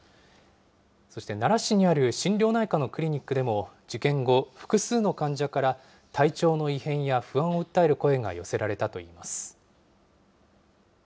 そして奈良市にある心療内科のクリニックでも、事件後、複数の患者から体調の異変や不安を訴える声が寄せられたといいます。